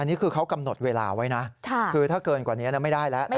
อันนี้คือเขากำหนดเวลาไว้นะคือถ้าเกินกว่านี้ไม่ได้แล้วนะ